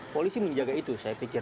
polisi menjaga itu saya pikir